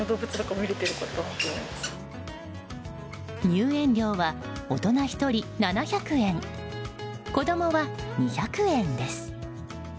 入園料は大人１人７００円子供は２００円です。